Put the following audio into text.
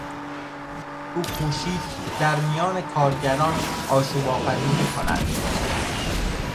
او کوشید در میان کارگران آشوب آفرینی کند.